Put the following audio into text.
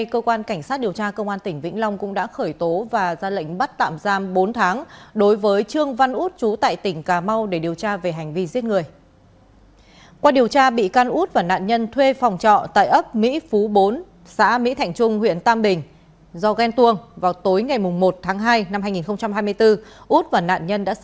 cơ quan công an cũng đã thu giữ được một cây kéo ba con dao mà út đã sử dụng để gây án